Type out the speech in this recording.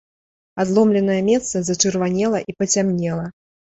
Адломленае месца зачырванела і пацямнела.